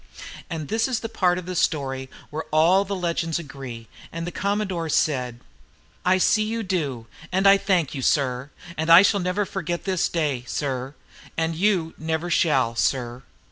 And this is the part of the story where all the legends agree; the commodore said, "I see you do, and I thank you, sir; and I shall never forget this day, sir, and you never shall, sir."